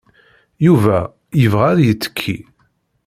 Yuba yebɣa ad yettekki.